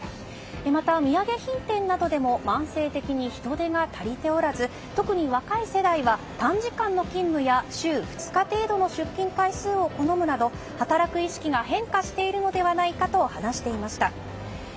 また、土産品店などでも慢性的に人手が足りておらず特に若い世代は短時間勤務や週２日程度の出勤回数を好むなど働く意識が変化しているのではないかと話していました。